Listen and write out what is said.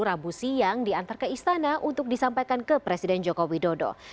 rabu siang diantar ke istana untuk disampaikan ke presiden joko widodo